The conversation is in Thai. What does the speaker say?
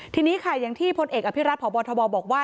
ทีนี้ค่ะอย่างที่พลเอกอภิรัตพบทบบอกว่า